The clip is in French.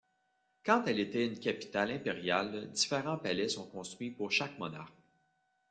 Quand elle était une capitale impériale, différents palais sont construits pour chaque monarque.